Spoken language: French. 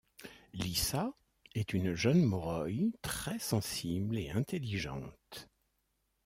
Lissa est une jeune Moroï très sensible et intelligente.